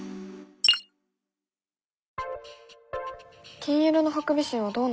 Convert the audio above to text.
金色のハクビシンはどうなんだろう？